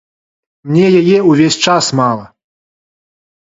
Мне яе ўвесь час мала.